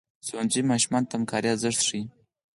ښوونځی ماشومانو ته د همکارۍ ارزښت ښيي.